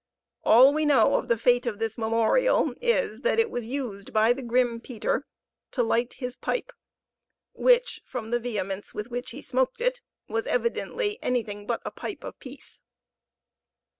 All we know of the fate of this memorial is, that it was used by the grim Peter to light his pipe, which, from the vehemence with which he smoked it, was evidently anything but a pipe of peace.